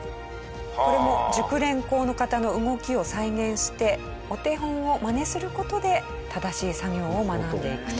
これも熟練工の方の動きを再現してお手本をマネする事で正しい作業を学んでいくと。